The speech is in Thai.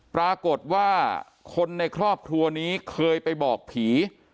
ปรากฏว่าคนในครอบครัวนี้เคยไปบอกผี